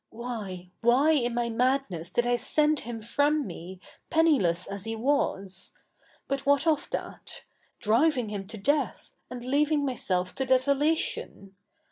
Why, why in my madness did I send him frotn me, penniless as he was — but 7vhat of that? — driving him to death, and leaving inyselj to desolation